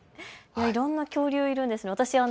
いろんな恐竜いるんですね。